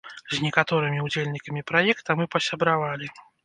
З некаторымі ўдзельнікамі праекта мы пасябравалі.